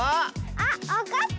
あっわかった！